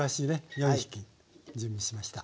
４匹準備しました。